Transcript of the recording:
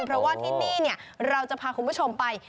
เพราะว่าที่นี่เราจะพาคุณผู้ชมไป